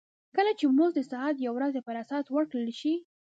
کله چې مزد د ساعت یا ورځې پر اساس ورکړل شي